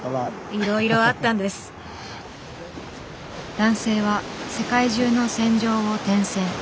男性は世界中の戦場を転戦。